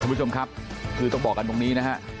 คุณผู้ชมครับคือต้องบอกกันตรงนี้นะฮะ